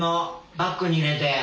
バッグに入れて。